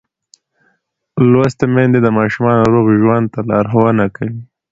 لوستې میندې د ماشومانو روغ ژوند ته لارښوونه کوي.